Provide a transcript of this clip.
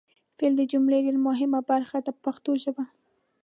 فعل د جملې ډېره مهمه برخه ده په پښتو ژبه.